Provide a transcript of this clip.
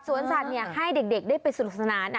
สวนสัตว์ให้เด็กได้ไปสนุกสนาน